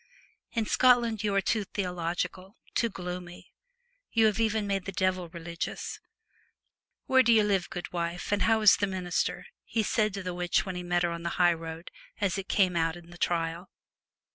In Scotland you are too theological, too gloomy. You have made even the Devil religious. ' Where do you live, good wyf, and how is the minister ?' he said to the witch when he met her on the high road, as it came out in the trial.